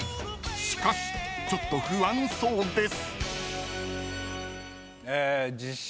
［しかしちょっと不安そうです］